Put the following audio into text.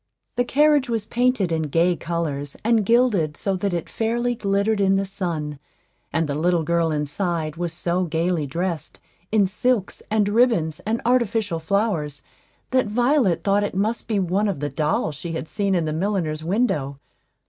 The carriage was painted in gay colors, and gilded so that it fairly glittered in the sun; and the little girl inside was so gayly dressed, in silks, and ribbons, and artificial flowers, that Violet thought it must be one of the dolls she had seen in a milliner's window.